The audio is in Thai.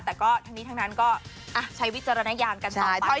แต่ก็ทั้งนี้ทั้งนั้นก็ใช้วิจารณญาณกันต่อไป